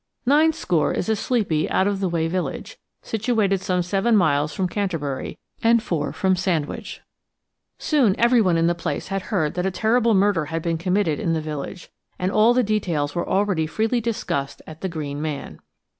Ninescore is a sleepy, out of the way village, situated some seven miles from Canterbury and four from Sandwich. Soon everyone in the place had heard that a terrible murder had been committed in the village, and all the details were already freely discussed at the Green Man.